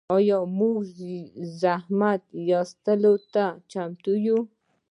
آیا موږ زحمت ایستلو ته چمتو یو؟